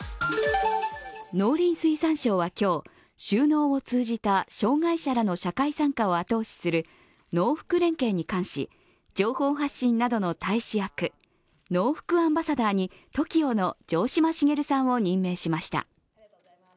農林水産省は今日、就農を通じた障害者の社会参加を後押しする農福連携に関し情報発信などの大使役ノウフクアンバサダーにＴＯＫＩＯの城島茂さんを任命しました。